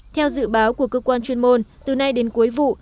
theo dự báo của cơ quan chuyên môn từ nay đến cuối vụ